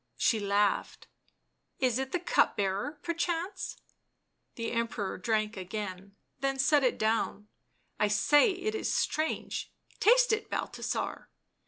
She laughed. " Is it the cupbearer, perchance?" The Emperor drank again, then set it down. <{ I say it is strange — taste it, Balthasar."